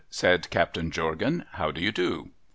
' said Captain Jorgan. ' How do you do?'